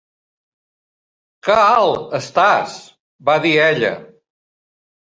"Que alt estàs!", va dir ella.